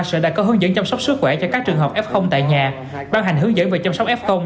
sở đã có hướng dẫn chăm sóc sức khỏe cho các trường hợp f tại nhà ban hành hướng dẫn về chăm sóc f